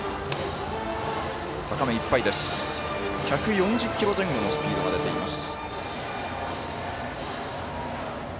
１４０キロ前後のスピードが出ています。